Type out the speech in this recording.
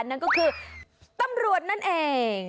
นั่นก็คือตำรวจนั่นเอง